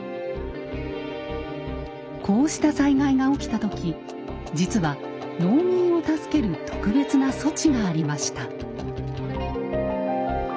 こうした災害が起きた時実は農民を助ける特別な措置がありました。